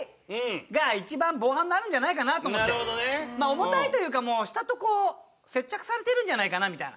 重たいというか下とこう接着されてるんじゃないかなみたいな。